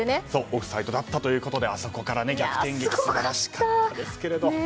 オフサイドだったということであそこからの逆転劇素晴らしかったですけど。